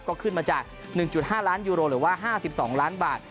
ก็ขึ้นมาจาก๑๕ล้านยูโรหรือว่า๕๒ล้านบาท